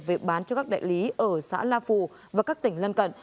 về bán cho các đại lý ở xã la phù và các tỉnh lân cận